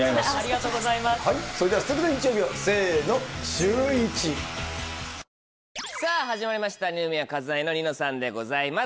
本当、さぁ始まりました二宮和也の『ニノさん』でございます。